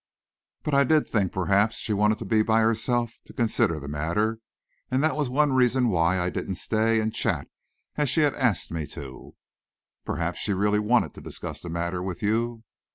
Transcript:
But I did think perhaps she wanted to be by herself to consider the matter, and that was one reason why I didn't stay and chat as she had asked me to." "Perhaps she really wanted to discuss the matter with you."